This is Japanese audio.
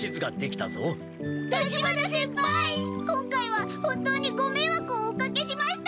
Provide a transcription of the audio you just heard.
今回は本当にごめいわくをおかけしました！